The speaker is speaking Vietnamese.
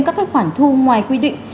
các cái khoản thu ngoài quy định